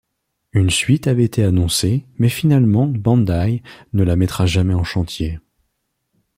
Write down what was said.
Une suite avait été annoncée, mais finalement Bandai ne la mettra jamais en chantier.